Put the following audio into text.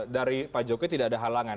dari pak jokowi tidak ada halangan